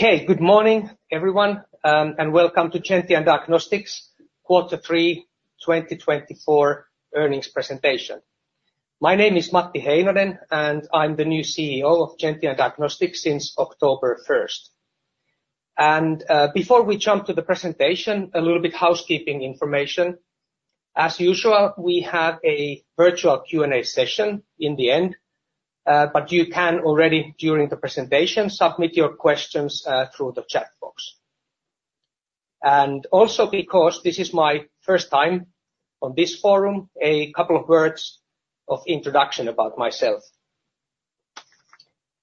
Okay, good morning, everyone, and welcome to Gentian Diagnostics Q3 2024 earnings presentation. My name is Matti Heinonen, and I'm the new CEO of Gentian Diagnostics since October 1st, and before we jump to the presentation, a little bit of housekeeping information. As usual, we have a virtual Q&A session in the end, but you can already, during the presentation, submit your questions through the chat box, and also, because this is my first time on this forum, a couple of words of introduction about myself.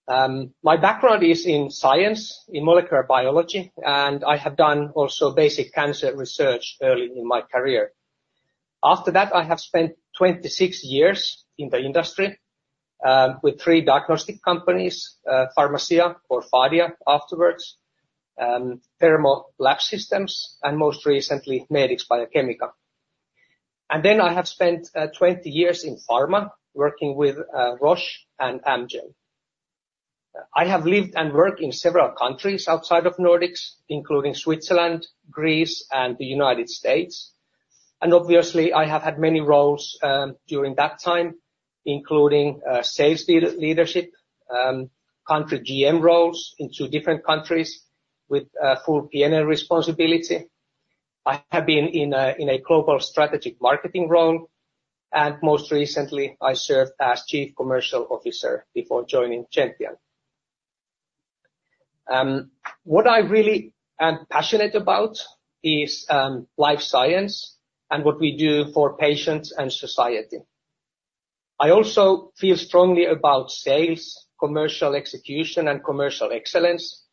My background is in science, in molecular biology, and I have done also basic cancer research early in my career. After that, I have spent 26 years in the industry with three diagnostic companies, Pharmacia or Phadia afterwards, Thermo Labsystems, and most recently, Medix Biochemica, and then I have spent 20 years in pharma, working with Roche and Amgen. I have lived and worked in several countries outside of Nordics, including Switzerland, Greece, and the United States. And obviously, I have had many roles during that time, including sales leadership, country GM roles in two different countries with full P&L responsibility. I have been in a global strategic marketing role, and most recently, I served as Chief Commercial Officer before joining Gentian. What I really am passionate about is life science and what we do for patients and society. I also feel strongly about sales, commercial execution, and commercial excellence.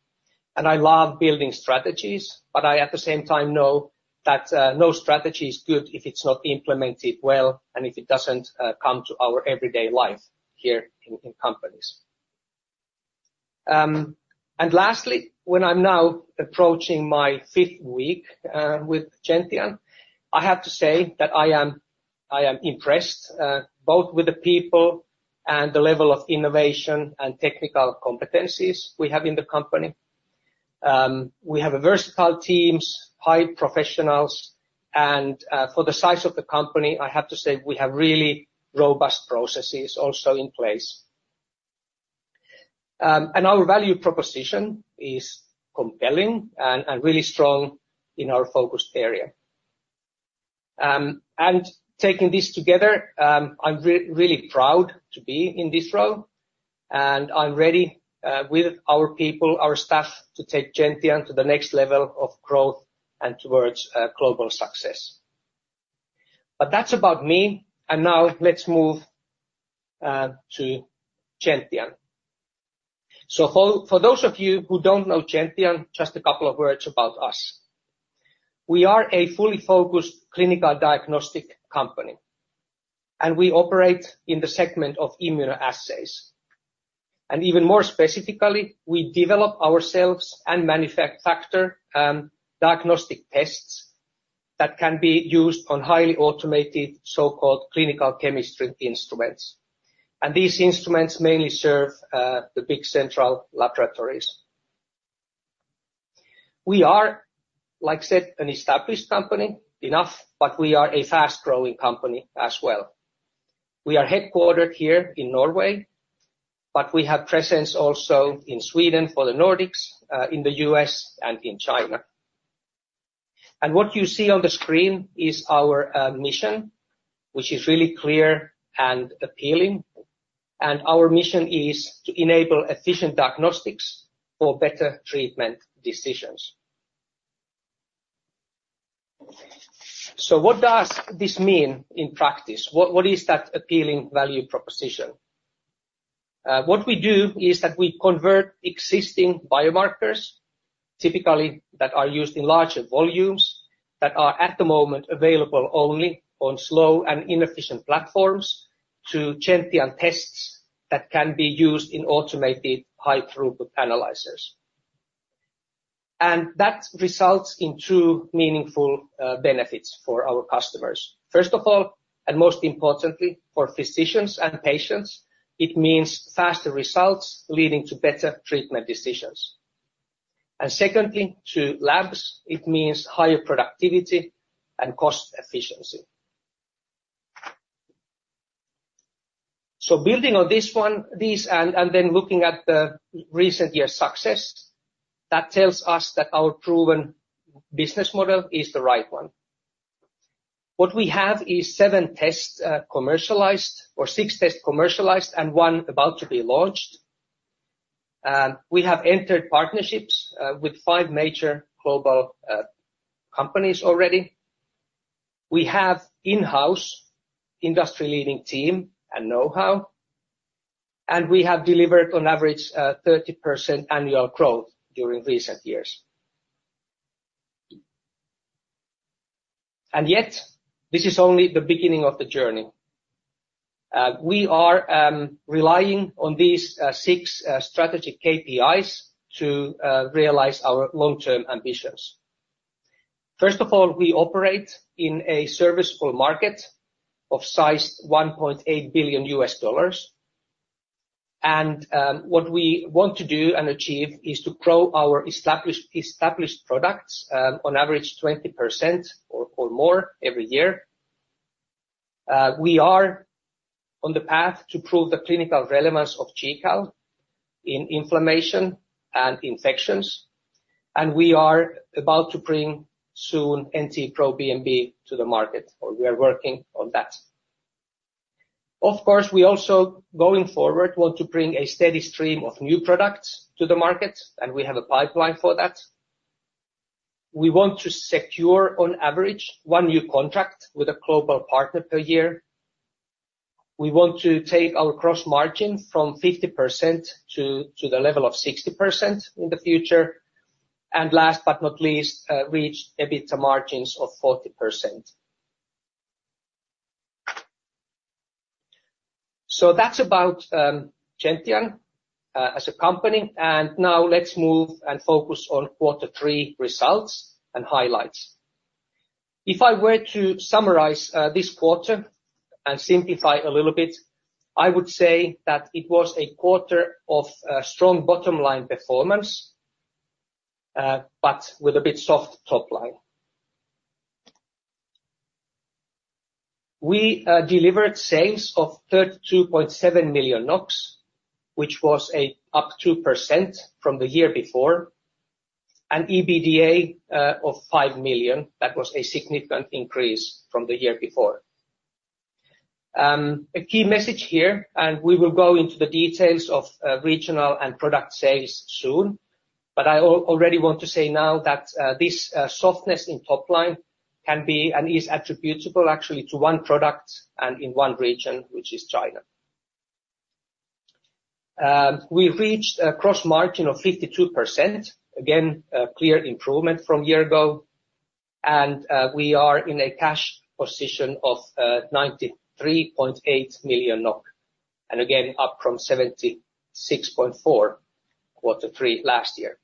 And I love building strategies, but I at the same time know that no strategy is good if it's not implemented well and if it doesn't come to our everyday life here in companies. And lastly, when I'm now approaching my fifth week with Gentian, I have to say that I am impressed both with the people and the level of innovation and technical competencies we have in the company. We have versatile teams, high professionals, and for the size of the company, I have to say we have really robust processes also in place. And our value proposition is compelling and really strong in our focus area. And taking this together, I'm really proud to be in this role, and I'm ready with our people, our staff, to take Gentian to the next level of growth and towards global success. But that's about me. And now let's move to Gentian. So for those of you who don't know Gentian, just a couple of words about us. We are a fully focused clinical diagnostic company, and we operate in the segment of immunoassays. Even more specifically, we develop ourselves and manufacture diagnostic tests that can be used on highly automated so-called clinical chemistry instruments. These instruments mainly serve the big central laboratories. We are, like I said, an established company enough, but we are a fast-growing company as well. We are headquartered here in Norway, but we have presence also in Sweden for the Nordics, in the U.S., and in China. What you see on the screen is our mission, which is really clear and appealing. Our mission is to enable efficient diagnostics for better treatment decisions. What does this mean in practice? What is that appealing value proposition? What we do is that we convert existing biomarkers, typically that are used in larger volumes, that are at the moment available only on slow and inefficient platforms to Gentian tests that can be used in automated high-throughput analyzers. That results in two meaningful benefits for our customers. First of all, and most importantly, for physicians and patients, it means faster results leading to better treatment decisions. Secondly, to labs, it means higher productivity and cost efficiency. Building on this one and then looking at the recent year's success, that tells us that our proven business model is the right one. What we have is seven tests commercialized or six tests commercialized and one about to be launched. We have entered partnerships with five major global companies already. We have in-house industry-leading team and know-how, and we have delivered on average 30% annual growth during recent years. Yet, this is only the beginning of the journey. We are relying on these six strategic KPIs to realize our long-term ambitions. First of all, we operate in a serviceable market of size $1.8 billion. And what we want to do and achieve is to grow our established products on average 20% or more every year. We are on the path to prove the clinical relevance of GCAL in inflammation and infections, and we are about to bring soon NT-proBNP to the market, or we are working on that. Of course, we also, going forward, want to bring a steady stream of new products to the market, and we have a pipeline for that. We want to secure, on average, one new contract with a global partner per year. We want to take our gross margin from 50% to the level of 60% in the future. And last but not least, reach EBITDA margins of 40%. So that's about Gentian as a company. And now let's move and focus on Q3 results and highlights. If I were to summarize this quarter and simplify a little bit, I would say that it was a quarter of strong bottom-line performance, but with a bit soft top-line. We delivered sales of 32.7 million NOK, which was up 2% from the year before, and EBITDA of 5 million NOK. That was a significant increase from the year before. A key message here, and we will go into the details of regional and product sales soon, but I already want to say now that this softness in top-line can be and is attributable actually to one product and in one region, which is China. We reached a gross margin of 52%, again, a clear improvement from a year ago, and we are in a cash position of 93.8 million NOK, and again, up from 76.4 million NOK quarter three last year.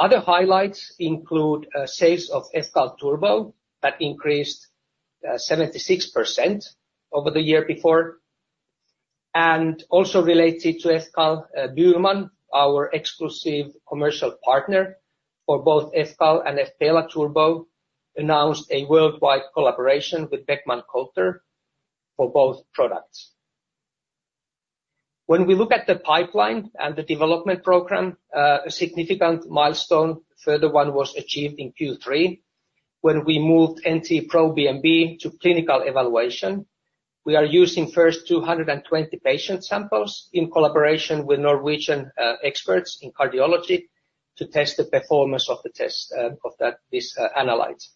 Other highlights include sales of fCAL turbo that increased 76% over the year before. And also related to fCAL, BÜHLMANN, our exclusive commercial partner for both fCAL and fPELA turbo, announced a worldwide collaboration with Beckman Coulter for both products. When we look at the pipeline and the development program, a significant milestone, further one was achieved in Q3 when we moved NT-proBNP to clinical evaluation. We are using first 220 patient samples in collaboration with Norwegian experts in cardiology to test the performance of the test of this analytes.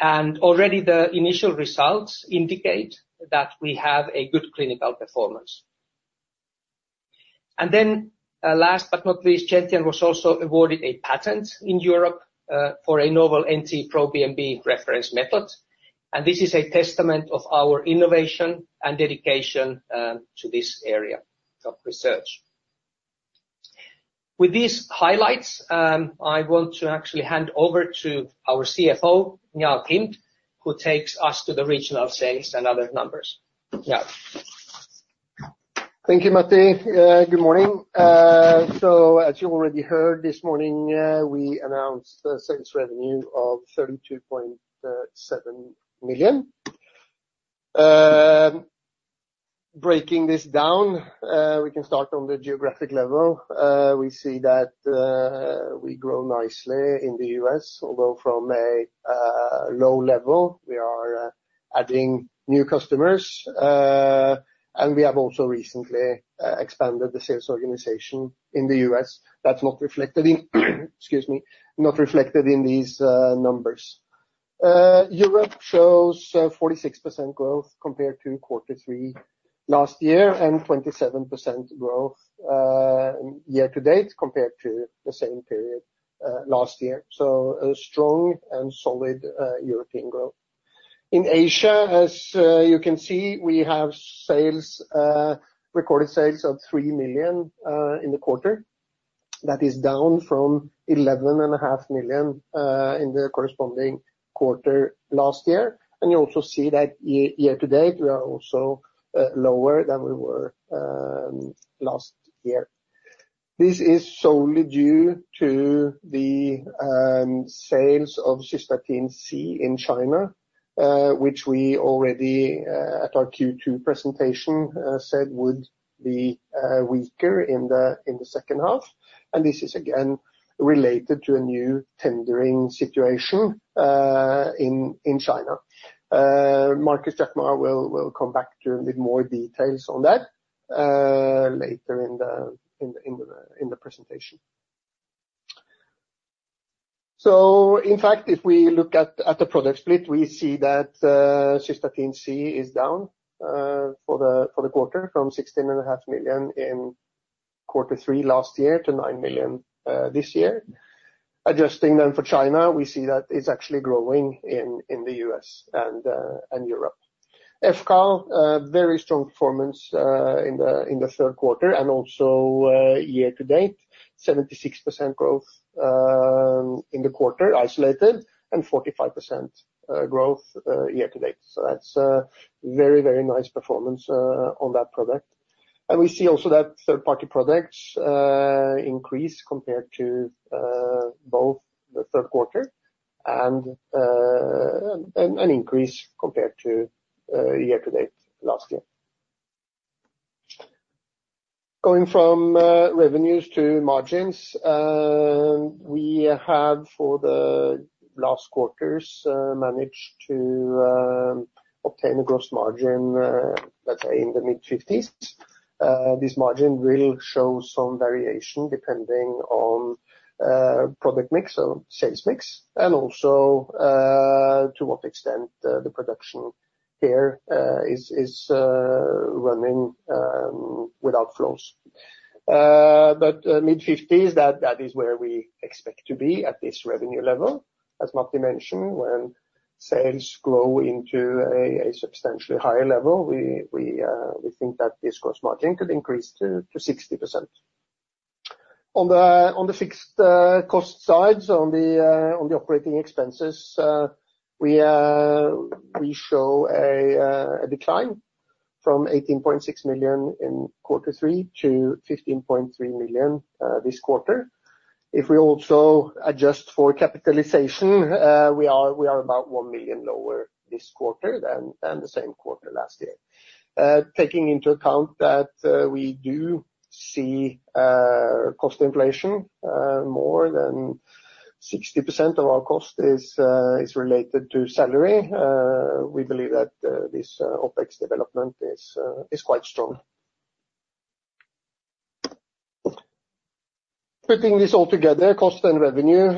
And already the initial results indicate that we have a good clinical performance. And then last but not least, Gentian was also awarded a patent in Europe for a novel NT-proBNP reference method. And this is a testament of our innovation and dedication to this area of research. With these highlights, I want to actually hand over to our CFO, Njaal, who takes us to the regional sales and other numbers. Njaal. Thank you, Matti. Good morning. So as you already heard this morning, we announced the sales revenue of 32.7 million. Breaking this down, we can start on the geographic level. We see that we grow nicely in the US, although from a low level, we are adding new customers. And we have also recently expanded the sales organization in the US. That's not reflected in, excuse me, not reflected in these numbers. Europe shows 46% growth compared to quarter three last year and 27% growth year to date compared to the same period last year. So a strong and solid European growth. In Asia, as you can see, we have recorded sales of 3 million in the quarter. That is down from 11.5 million in the corresponding quarter last year. And you also see that year to date, we are also lower than we were last year. This is solely due to the sales of Cystatin C in China, which we already at our Q2 presentation said would be weaker in the second half. This is again related to a new tendering situation in China. Markus Jaquemar will come back to a bit more details on that later in the presentation. In fact, if we look at the product split, we see that Cystatin C is down for the quarter from 16.5 million in quarter three last year to 9 million this year. Adjusting them for China, we see that it's actually growing in the US and Europe. fCAL, very strong performance in the third quarter and also year to date, 76% growth in the quarter isolated and 45% growth year to date. That's a very, very nice performance on that product. We see also that third-party products increase compared to both the third quarter and an increase compared to year to date last year. Going from revenues to margins, we have for the last quarters managed to obtain a gross margin, let's say, in the mid-50s%. This margin will show some variation depending on product mix or sales mix and also to what extent the production here is running without flaws. But mid-50s%, that is where we expect to be at this revenue level. As Matti mentioned, when sales grow into a substantially higher level, we think that this gross margin could increase to 60%. On the fixed cost side, so on the operating expenses, we show a decline from 18.6 million in quarter three to 15.3 million this quarter. If we also adjust for capitalization, we are about 1 million lower this quarter than the same quarter last year. Taking into account that we do see cost inflation, more than 60% of our cost is related to salary, we believe that this OpEx development is quite strong. Putting this all together, cost and revenue,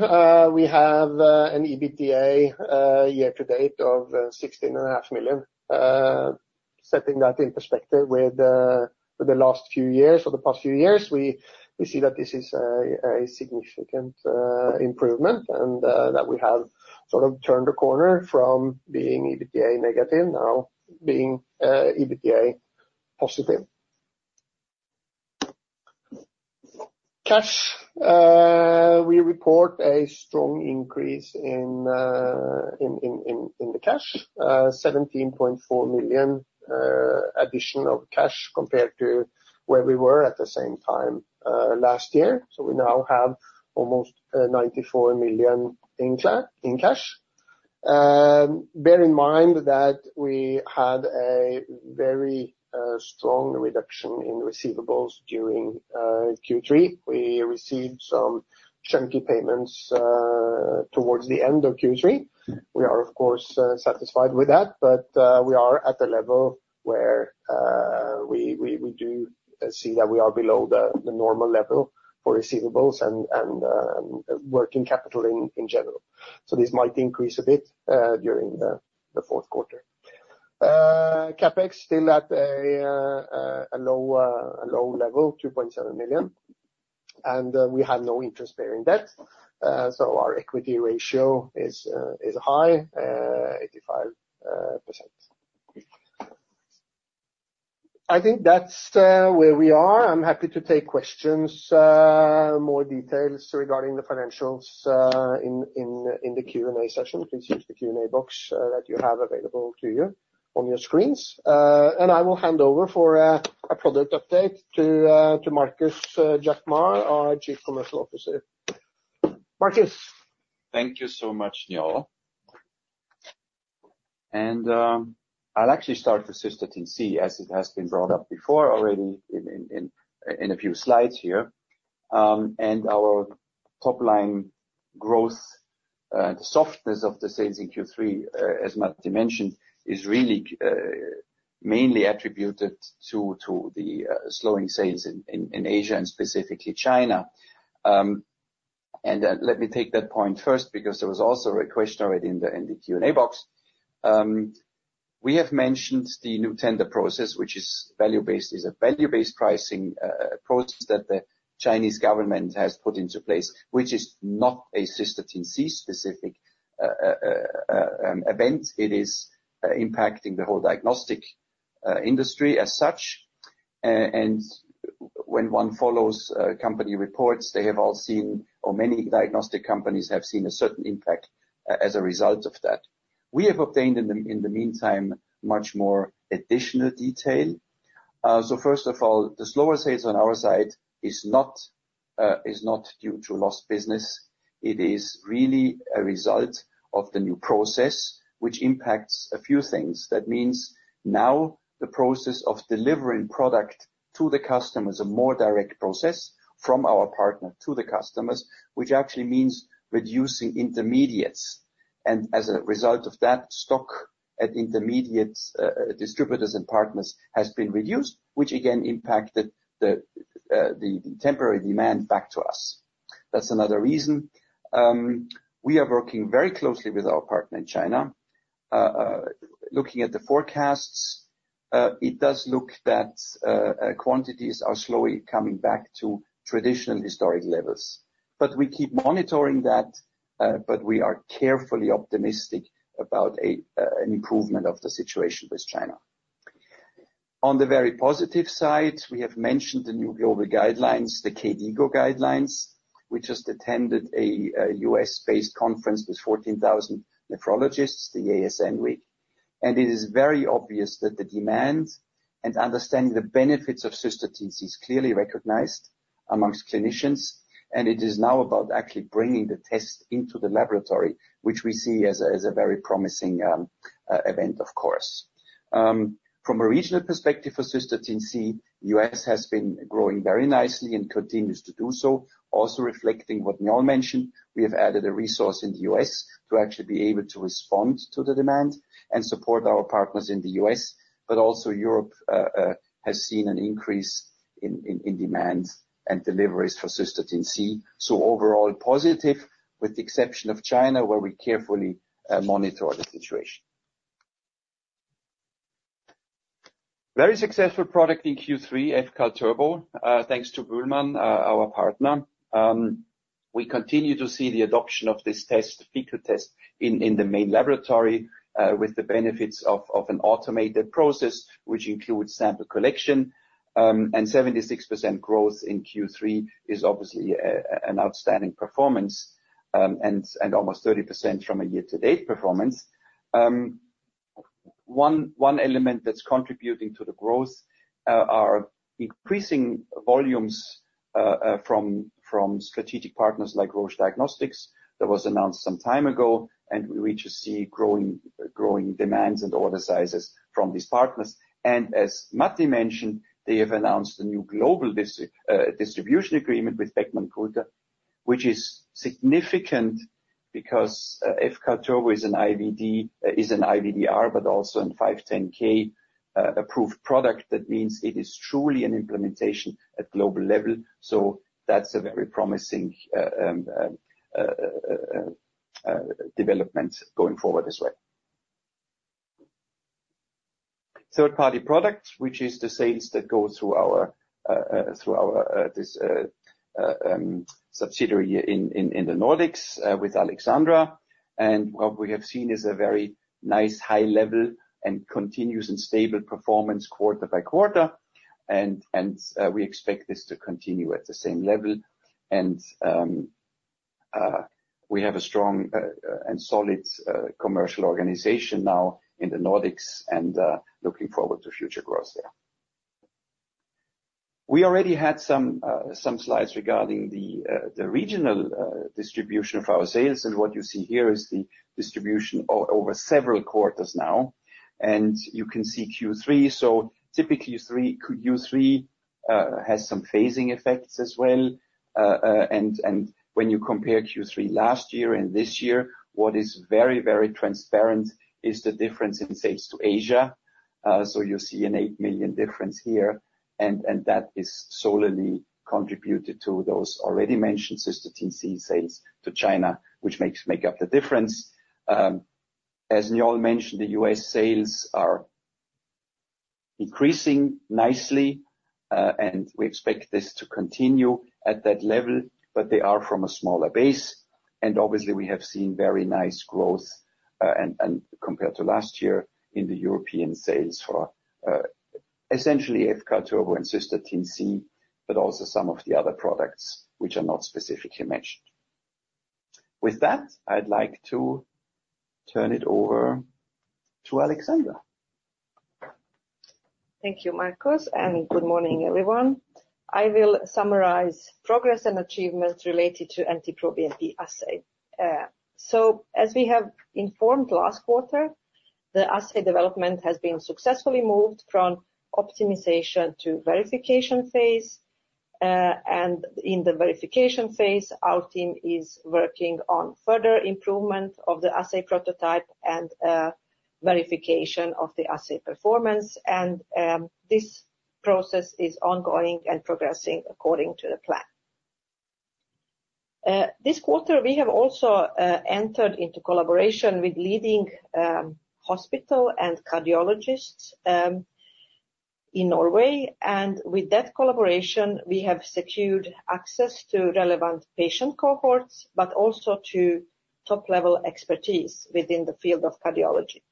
we have an EBITDA year to date of 16.5 million. Setting that in perspective with the last few years or the past few years, we see that this is a significant improvement and that we have sort of turned the corner from being EBITDA negative now being EBITDA positive. Cash, we report a strong increase in the cash, 17.4 million addition of cash compared to where we were at the same time last year. So we now have almost 94 million in cash. Bear in mind that we had a very strong reduction in receivables during Q3. We received some chunky payments towards the end of Q3. We are, of course, satisfied with that, but we are at a level where we do see that we are below the normal level for receivables and working capital in general. So this might increase a bit during the fourth quarter. CapEx still at a low level, 2.7 million. And we have no interest-bearing debt. So our equity ratio is high, 85%. I think that's where we are. I'm happy to take questions, more details regarding the financials in the Q&A session. Please use the Q&A box that you have available to you on your screens. And I will hand over for a product update to Markus Jaquemar, our Chief Commercial Officer. Markus. Thank you so much, Njaal. And I'll actually start with Cystatin C, as it has been brought up before already in a few slides here. And our top-line growth, the softness of the sales in Q3, as Matti mentioned, is really mainly attributed to the slowing sales in Asia and specifically China. And let me take that point first because there was also a question already in the Q&A box. We have mentioned the VBP process, which is value-based. It is a value-based pricing process that the Chinese government has put into place, which is not a Cystatin C-specific event. It is impacting the whole diagnostic industry as such. And when one follows company reports, they have all seen, or many diagnostic companies have seen a certain impact as a result of that. We have obtained in the meantime much more additional detail. So first of all, the slower sales on our side is not due to lost business. It is really a result of the new process, which impacts a few things. That means now the process of delivering product to the customer is a more direct process from our partner to the customers, which actually means reducing intermediates. And as a result of that, stock at intermediate distributors and partners has been reduced, which again impacted the temporary demand back to us. That's another reason. We are working very closely with our partner in China. Looking at the forecasts, it does look that quantities are slowly coming back to traditional historic levels. But we keep monitoring that, but we are carefully optimistic about an improvement of the situation with China. On the very positive side, we have mentioned the new global guidelines, the KDIGO guidelines. We just attended a U.S.-based conference with 14,000 nephrologists, the ASN week, and it is very obvious that the demand and understanding the benefits of Cystatin C is clearly recognized among clinicians. It is now about actually bringing the test into the laboratory, which we see as a very promising event, of course. From a regional perspective for Cystatin C, the U.S. has been growing very nicely and continues to do so, also reflecting what Njaal mentioned. We have added a resource in the U.S. to actually be able to respond to the demand and support our partners in the U.S., but also Europe has seen an increase in demand and deliveries for Cystatin C, so overall positive, with the exception of China where we carefully monitor the situation. Very successful product in Q3, fCAL turbo, thanks to BÜHLMANN, our partner. We continue to see the adoption of this fecal test in the main laboratory with the benefits of an automated process, which includes sample collection. 76% growth in Q3 is obviously an outstanding performance and almost 30% from a year-to-date performance. One element that's contributing to the growth are increasing volumes from strategic partners like Roche Diagnostics that was announced some time ago. We just see growing demands and order sizes from these partners. As Matti mentioned, they have announced a new global distribution agreement with Beckman Coulter, which is significant because fCAL turbo is an IVDR, but also a 510(k) approved product. That means it is truly an implementation at global level. That's a very promising development going forward as well. Third-party products, which is the sales that go through our subsidiary in the Nordics with Aleksandra. And what we have seen is a very nice high-level and continuous and stable performance quarter by quarter. And we expect this to continue at the same level. And we have a strong and solid commercial organization now in the Nordics and looking forward to future growth there. We already had some slides regarding the regional distribution of our sales. And what you see here is the distribution over several quarters now. And you can see Q3. So typically Q3 has some phasing effects as well. And when you compare Q3 last year and this year, what is very, very transparent is the difference in sales to Asia. So you see a 8 million difference here. And that is solely attributed to those already mentioned Cystatin C sales to China, which make up the difference. As Njaal mentioned, the U.S. sales are increasing nicely. We expect this to continue at that level, but they are from a smaller base. Obviously, we have seen very nice growth compared to last year in the European sales for essentially fCAL turbo and Cystatin C, but also some of the other products which are not specifically mentioned. With that, I'd like to turn it over to Alexandra. Thank you, Markus, and good morning, everyone. I will summarize progress and achievements related to NT-proBNP assay, so as we have informed last quarter, the assay development has been successfully moved from optimization to verification phase, and in the verification phase, our team is working on further improvement of the assay prototype and verification of the assay performance, and this process is ongoing and progressing according to the plan. This quarter, we have also entered into collaboration with leading hospital and cardiologists in Norway, and with that collaboration, we have secured access to relevant patient cohorts, but also to top-level expertise within the field of cardiology.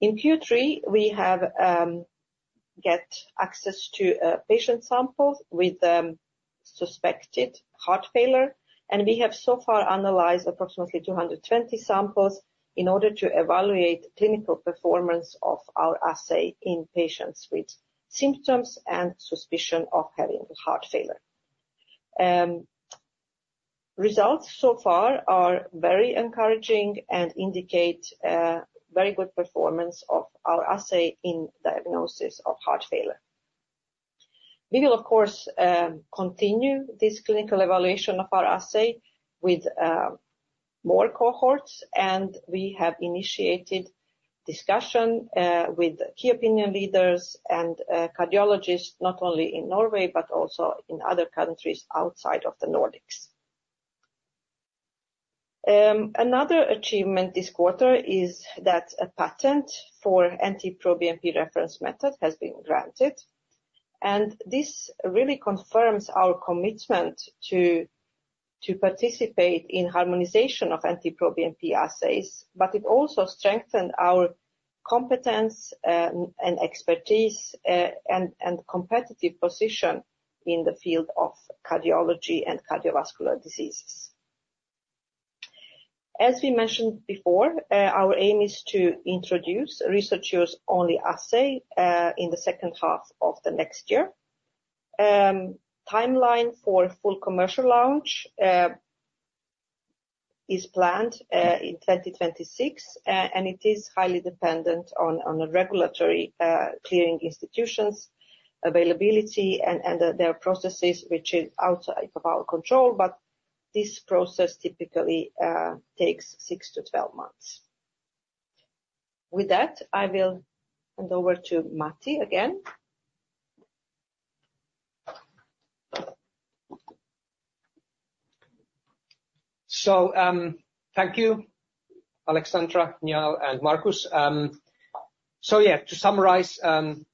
In Q3, we have got access to patient samples with suspected heart failure, and we have so far analyzed approximately 220 samples in order to evaluate clinical performance of our assay in patients with symptoms and suspicion of having heart failure. Results so far are very encouraging and indicate very good performance of our assay in diagnosis of heart failure. We will, of course, continue this clinical evaluation of our assay with more cohorts. And we have initiated discussion with key opinion leaders and cardiologists, not only in Norway, but also in other countries outside of the Nordics. Another achievement this quarter is that a patent for NT-proBNP reference method has been granted. And this really confirms our commitment to participate in harmonization of NT-proBNP assays, but it also strengthened our competence and expertise and competitive position in the field of cardiology and cardiovascular diseases. As we mentioned before, our aim is to introduce research use only assay in the second half of the next year. Timeline for full commercial launch is planned in 2026. It is highly dependent on regulatory clearing institutions, availability, and their processes, which is outside of our control. This process typically takes six to 12 months. With that, I will hand over to Matti again. So thank you, Alexandra, Njaal, and Markus. So yeah, to summarize,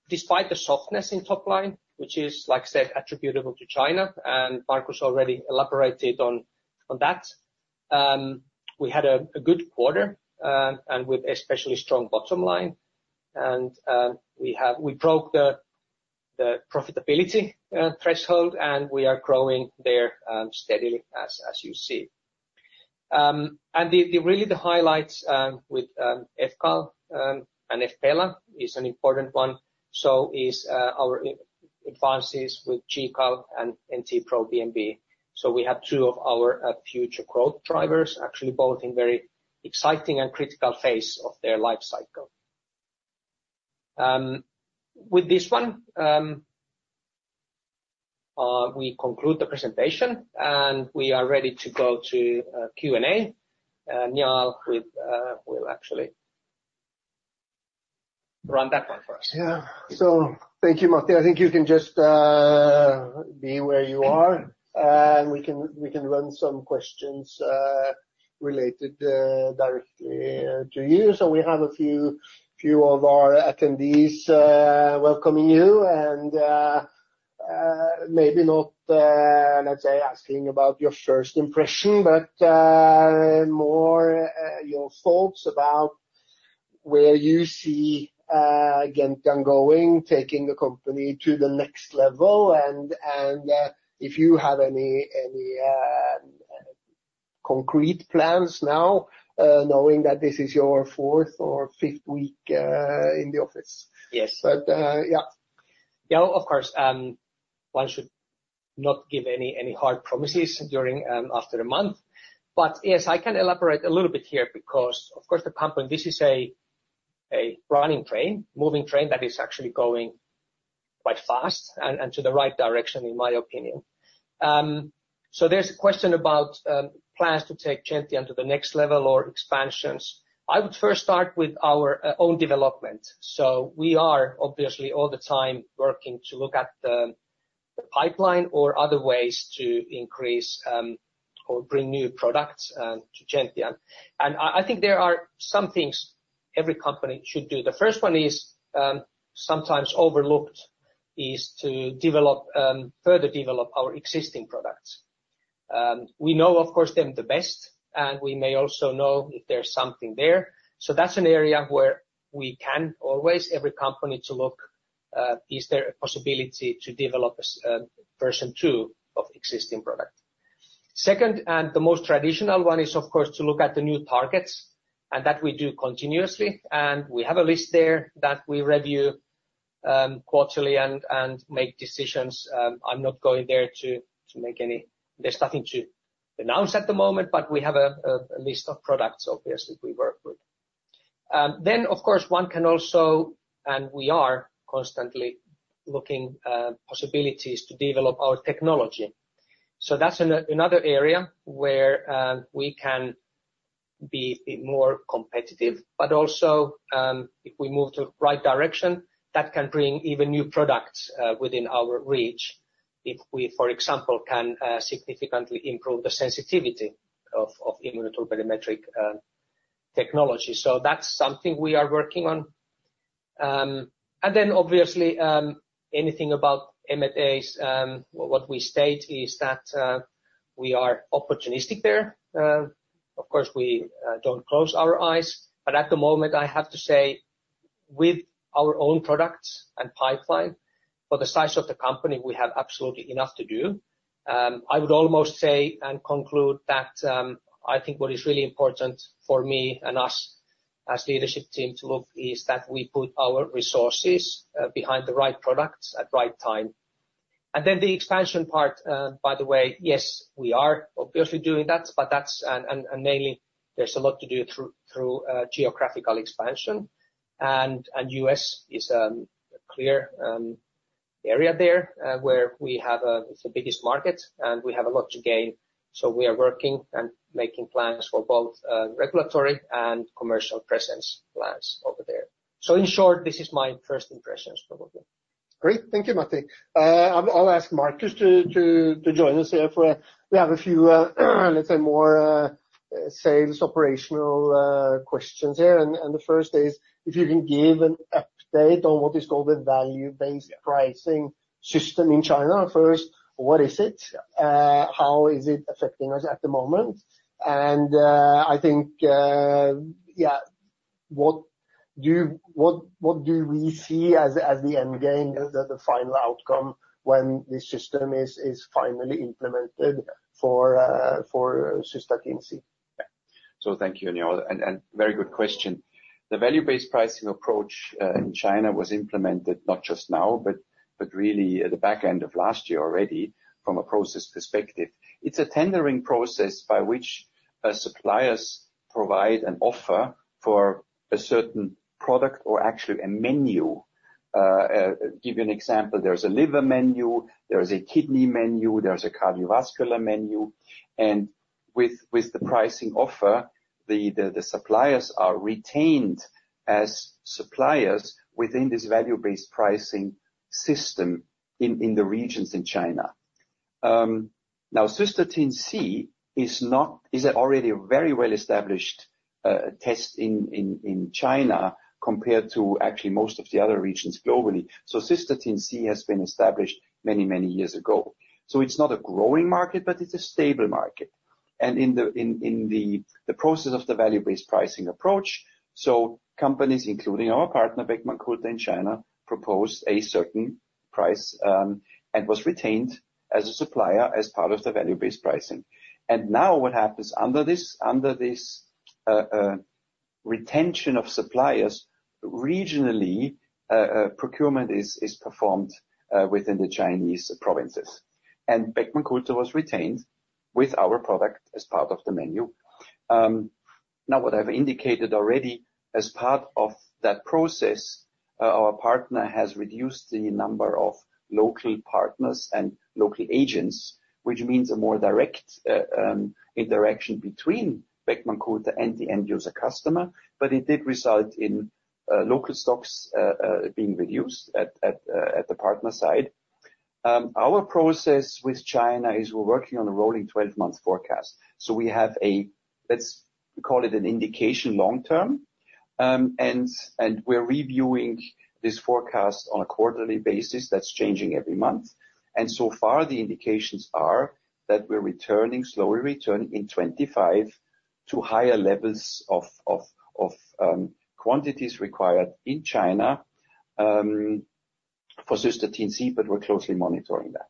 despite the softness in top line, which is, like I said, attributable to China, and Markus already elaborated on that, we had a good quarter and with a especially strong bottom line. And we broke the profitability threshold, and we are growing there steadily, as you see. And really, the highlights with fCAL and fPELA is an important one. So is our advances with GCAL and NT-proBNP. So we have two of our future growth drivers, actually both in very exciting and critical phase of their life cycle. With this one, we conclude the presentation, and we are ready to go to Q&A. Njaal will actually run that one for us. Yeah. So thank you, Matti. I think you can just be where you are. And we can run some questions related directly to you. So we have a few of our attendees welcoming you. And maybe not, let's say, asking about your first impression, but more your thoughts about where you see Gentian going, taking the company to the next level. And if you have any concrete plans now, knowing that this is your fourth or fifth week in the office. Yes. But yeah. Yeah, of course. One should not give any hard promises after a month. But yes, I can elaborate a little bit here because, of course, the company is a running train, moving train that is actually going quite fast and to the right direction, in my opinion. So there's a question about plans to take Gentian to the next level or expansions. I would first start with our own development. So we are obviously all the time working to look at the pipeline or other ways to increase or bring new products to Gentian. And I think there are some things every company should do. The first one is sometimes overlooked is to further develop our existing products. We know, of course, them the best, and we may also know if there's something there. So that's an area where we can always, every company, to look, is there a possibility to develop a version two of existing product. Second, and the most traditional one is, of course, to look at the new targets, and that we do continuously. And we have a list there that we review quarterly and make decisions. I'm not going there to make any. There's nothing to announce at the moment, but we have a list of products, obviously, we work with. Then, of course, one can also, and we are constantly looking at possibilities to develop our technology. So that's another area where we can be more competitive. But also, if we move to the right direction, that can bring even new products within our reach if we, for example, can significantly improve the sensitivity of immunoturbidimetric technology. So that's something we are working on. And then, obviously, anything about M&A, what we state is that we are opportunistic there. Of course, we don't close our eyes. But at the moment, I have to say, with our own products and pipeline, for the size of the company, we have absolutely enough to do. I would almost say and conclude that I think what is really important for me and us as a leadership team to look is that we put our resources behind the right products at the right time. And then the expansion part, by the way, yes, we are obviously doing that. And mainly, there's a lot to do through geographical expansion. And U.S. is a clear area there where we have the biggest market, and we have a lot to gain. So we are working and making plans for both regulatory and commercial presence plans over there. So in short, this is my first impressions, probably. Great. Thank you, Matti. I'll ask Markus to join us here. We have a few, let's say, more sales operational questions here. And the first is if you can give an update on what is called the value-based pricing system in China. First, what is it? How is it affecting us at the moment? And I think, yeah, what do we see as the end game, the final outcome when this system is finally implemented for Cystatin C? Yeah. So thank you, Njaal, and very good question. The value-based pricing approach in China was implemented not just now, but really at the back end of last year already from a process perspective. It's a tendering process by which suppliers provide an offer for a certain product or actually a menu. I'll give you an example. There's a liver menu. There's a kidney menu. There's a cardiovascular menu, and with the pricing offer, the suppliers are retained as suppliers within this value-based pricing system in the regions in China. Now, Cystatin C is already a very well-established test in China compared to actually most of the other regions globally, so Cystatin C has been established many, many years ago, so it's not a growing market, but it's a stable market. In the process of the value-based pricing approach, so companies, including our partner, Beckman Coulter in China, proposed a certain price and was retained as a supplier as part of the value-based pricing. Now what happens under this retention of suppliers, regionally, procurement is performed within the Chinese provinces. Beckman Coulter was retained with our product as part of the menu. Now, what I've indicated already, as part of that process, our partner has reduced the number of local partners and local agents, which means a more direct interaction between Beckman Coulter and the end user customer. But it did result in local stocks being reduced at the partner side. Our process with China is we're working on a rolling 12-month forecast. We have a, let's call it an indication long term. We're reviewing this forecast on a quarterly basis that's changing every month. So far, the indications are that we're returning, slowly returning in 2025 to higher levels of quantities required in China for Cystatin C, but we're closely monitoring that.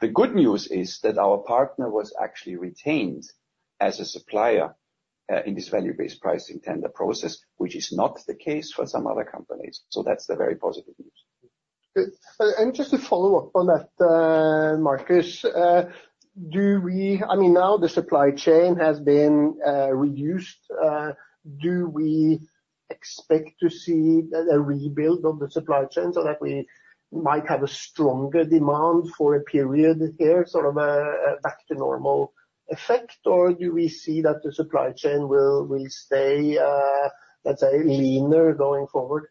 The good news is that our partner was actually retained as a supplier in this value-based pricing tender process, which is not the case for some other companies. That's the very positive news. Good. And just to follow up on that, Markus, I mean, now the supply chain has been reduced. Do we expect to see a rebuild of the supply chain so that we might have a stronger demand for a period here, sort of a back-to-normal effect? Or do we see that the supply chain will stay, let's say, leaner going forward?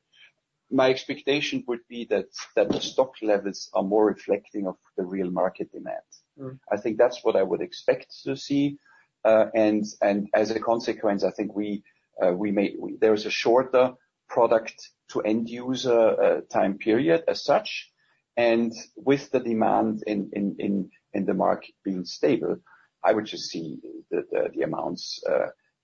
My expectation would be that the stock levels are more reflecting of the real market demand. I think that's what I would expect to see. And as a consequence, I think there is a shorter product-to-end user time period as such. And with the demand in the market being stable, I would just see the amounts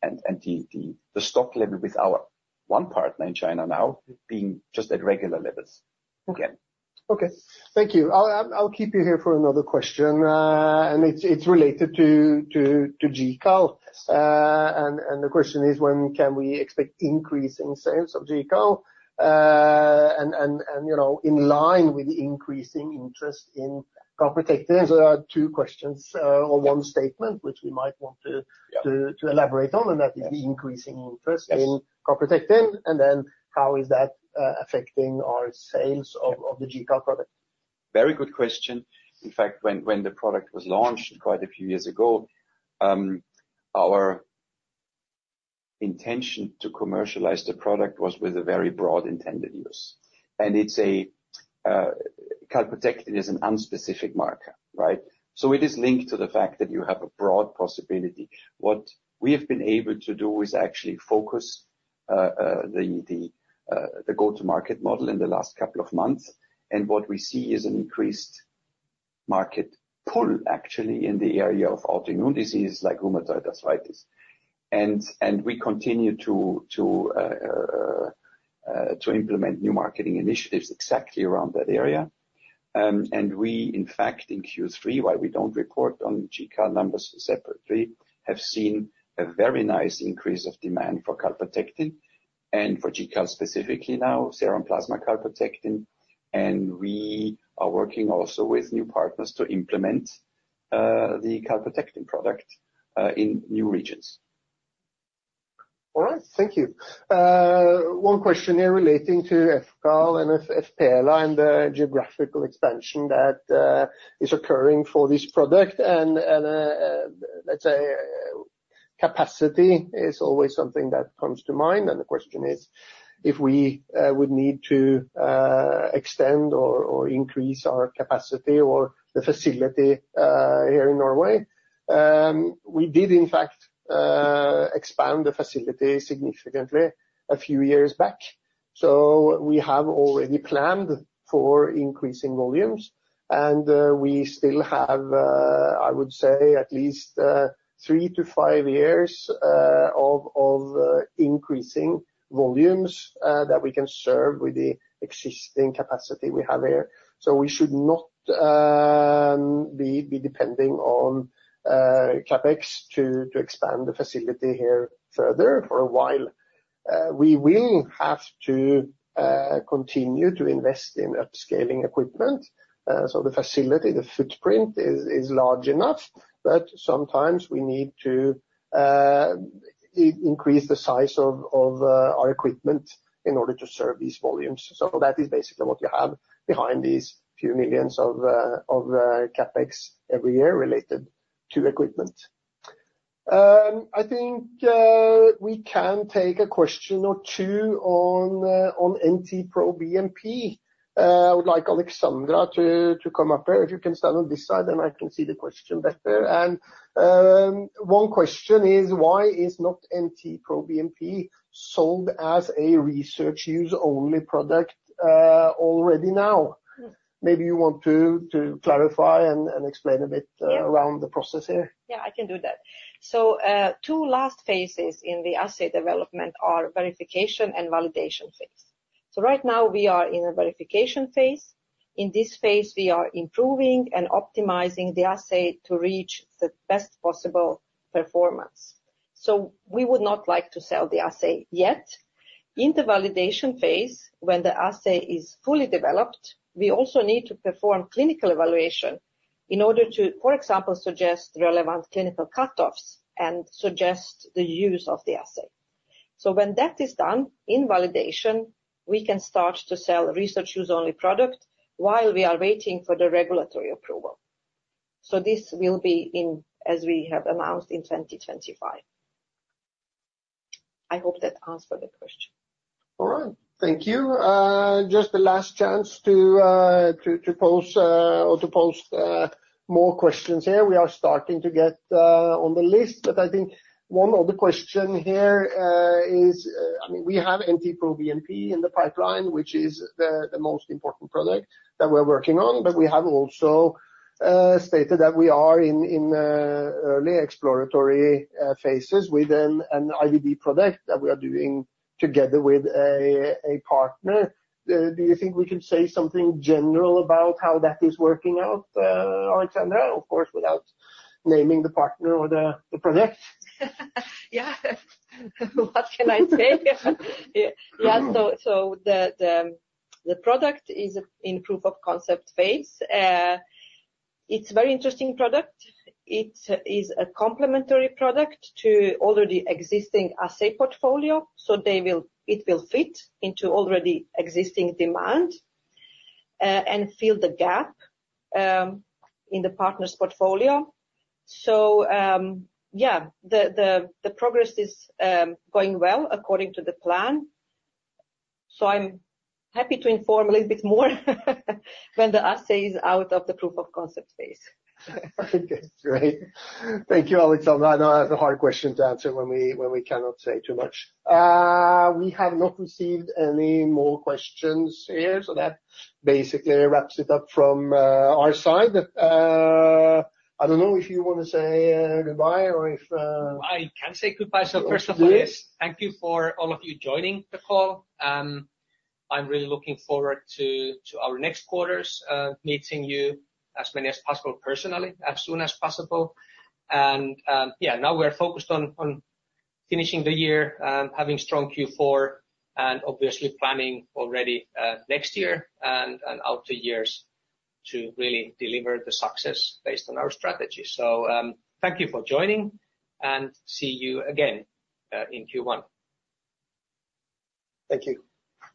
and the stock level with our one partner in China now being just at regular levels again. Okay. Thank you. I'll keep you here for another question. And it's related to GCAL. And the question is, when can we expect increasing sales of GCAL? And in line with the increasing interest in calprotectin, there are two questions or one statement, which we might want to elaborate on, and that is the increasing interest in calprotectin. And then how is that affecting our sales of the GCAL product? Very good question. In fact, when the product was launched quite a few years ago, our intention to commercialize the product was with a very broad intended use. And it's a calprotectin is an unspecific marker, right? So it is linked to the fact that you have a broad possibility. What we have been able to do is actually focus the go-to-market model in the last couple of months. And what we see is an increased market pull, actually, in the area of autoimmune diseases like rheumatoid arthritis. And we continue to implement new marketing initiatives exactly around that area. And we, in fact, in Q3, while we don't report on GCAL numbers separately, have seen a very nice increase of demand for calprotectin and for GCAL specifically now, serum plasma calprotectin. And we are working also with new partners to implement the calprotectin product in new regions. All right. Thank you. One question here relating to fCAL and fPELA and the geographical expansion that is occurring for this product, and let's say capacity is always something that comes to mind. And the question is if we would need to extend or increase our capacity or the facility here in Norway. We did, in fact, expand the facility significantly a few years back. So we have already planned for increasing volumes. And we still have, I would say, at least three-to-five years of increasing volumes that we can serve with the existing capacity we have here. So we should not be depending on CapEx to expand the facility here further for a while. We will have to continue to invest in upscaling equipment. So the facility, the footprint is large enough, but sometimes we need to increase the size of our equipment in order to serve these volumes. So that is basically what you have behind these few millions of CapEx every year related to equipment. I think we can take a question or two on NT-proBNP. I would like Alexandra to come up here. If you can stand on this side, then I can see the question better. And one question is, why is not NT-proBNP sold as a research use-only product already now? Maybe you want to clarify and explain a bit around the process here. Yeah, I can do that. So two last phases in the assay development are verification and validation phase. So right now, we are in a verification phase. In this phase, we are improving and optimizing the assay to reach the best possible performance. So we would not like to sell the assay yet. In the validation phase, when the assay is fully developed, we also need to perform clinical evaluation in order to, for example, suggest relevant clinical cutoffs and suggest the use of the assay. So when that is done in validation, we can start to sell a Research Use Only product while we are waiting for the regulatory approval. So this will be in, as we have announced, in 2025. I hope that answered the question. All right. Thank you. Just the last chance to post or to post more questions here. We are starting to get on the list. But I think one other question here is, I mean, we have NT-proBNP in the pipeline, which is the most important product that we're working on. But we have also stated that we are in early exploratory phases with an IVD product that we are doing together with a partner. Do you think we can say something general about how that is working out, Alexandra, of course, without naming the partner or the product? Yeah. What can I say? Yeah. So the product is in proof of concept phase. It's a very interesting product. It is a complementary product to already existing assay portfolio. So it will fit into already existing demand and fill the gap in the partner's portfolio. So yeah, the progress is going well according to the plan. So I'm happy to inform a little bit more when the assay is out of the proof of concept phase. Okay. Great. Thank you, Alexandra. I know that's a hard question to answer when we cannot say too much. We have not received any more questions here. So that basically wraps it up from our side. I don't know if you want to say goodbye or if. I can say goodbye. So first of all, thank you for all of you joining the call. I'm really looking forward to our next quarters, meeting you as many as possible personally, as soon as possible. And yeah, now we're focused on finishing the year, having strong Q4, and obviously planning already next year and outer years to really deliver the success based on our strategy. So thank you for joining, and see you again in Q1. Thank you.